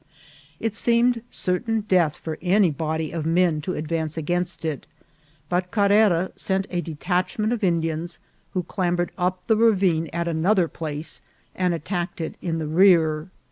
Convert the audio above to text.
It seemed certain death for any body of men to advance against it ; but Carrera sent a detach ment of Indians, who clambered up the ravine at an other place, and attacked it in the rear.